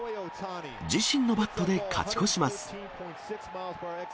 自身のバットで勝ち越します。